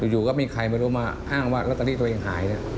อยู่ก็ไม่มีใครมารู้มาอ้างว่ารัตเตอรี่ตัวเองหาย